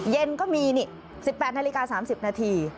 เย็นก็มีนี่๑๘นาฬิกา๓๐นาที